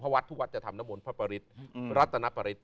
วัดทุกวัดจะทำน้ำมนต์พระปริศรัตนปริศ